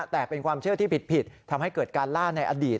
แต่เป็นความเชื่อที่ผิดทำให้เกิดการล่าในอดีต